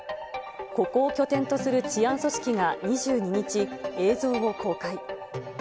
ここを拠点とする治安組織が２２日、映像を公開。